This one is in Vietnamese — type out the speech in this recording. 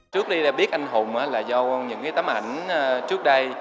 trước đây đã biết anh hùng là do những tấm ảnh trước đây